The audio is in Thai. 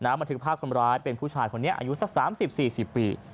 บันทึกภาพคนร้ายเป็นผู้ชายคนนี้อายุสัก๓๐๔๐ปี